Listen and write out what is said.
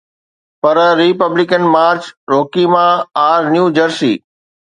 per Republican Marge Roukema, R New Jersey